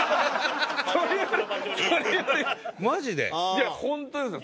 いやホントですよ。